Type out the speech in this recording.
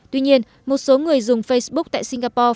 tuy nhiên một số người dùng facebook tại singapore